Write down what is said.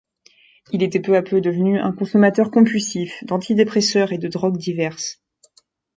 Il était peu à peu devenu un consommateur compulsif d'antidépresseurs et de drogues diverses.